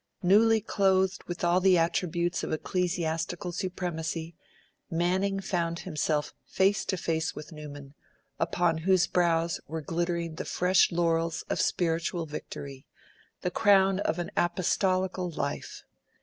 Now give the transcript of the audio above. Newly clothed with all the attributes of ecclesiastical supremacy, Manning found himself face to face with Newman, upon whose brows were glittering the fresh laurels of spiritual victory the crown of an apostolical life.